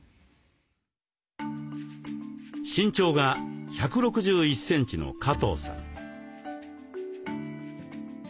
身長が１６１センチの加藤さん。